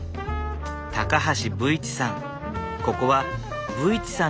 高橋武市さん。